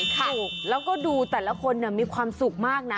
ถูกแล้วก็ดูแต่ละคนมีความสุขมากนะ